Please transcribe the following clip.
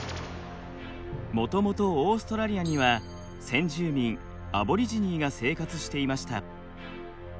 もともとオーストラリアには先住民アボリジニーが生活していました。